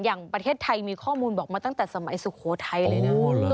อย่างประเทศไทยมีข้อมูลบอกมาตั้งแต่สมัยสุโขทัยเลยนะ